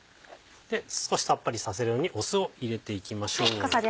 少しさっぱりさせるように酢を入れていきましょう。